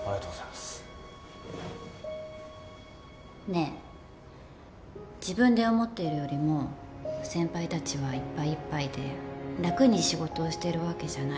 ねえ自分で思っているよりも先輩たちはいっぱいいっぱいで楽に仕事をしてるわけじゃない。